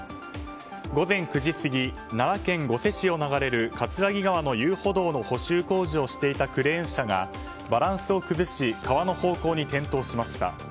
午前９時過ぎ奈良県御所市を流れる葛城川の遊歩道の補修工事をしていたクレーン車がバランスを崩し川の方向に転倒しました。